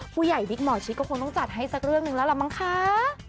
วิกหมอชิดก็คงต้องจัดให้สักเรื่องหนึ่งแล้วล่ะมั้งคะ